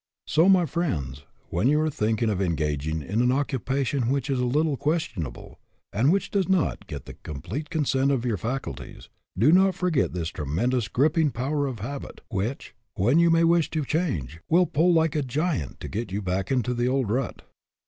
So, my friends, when you are thinking of engaging in an occupation which is a little questionable, and which does not get the complete consent of your faculties, do not for get this tremendous gripping power of habit, which, when you may wish to change, will pull like a giant to get you back into the old rut.